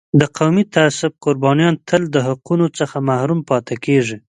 د قومي تعصب قربانیان تل د حقونو څخه محروم پاتې کېږي.